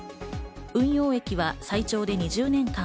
運用益は最長で２０年間。